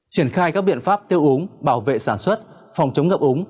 triển khai các biện pháp tiêu úng bảo vệ sản xuất phòng chống ngập úng